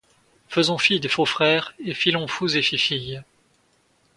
Faisons fi des faux frères et filons fous et fifilles